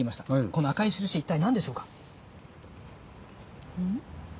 この赤い印一体何でしょうか？